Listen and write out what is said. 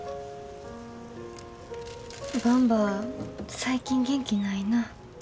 ばんば最近元気ないなぁ。